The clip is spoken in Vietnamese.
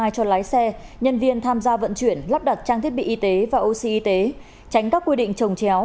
cho lái xe nhân viên tham gia vận chuyển lắp đặt trang thiết bị y tế và oxy y tế tránh các quy định trồng chéo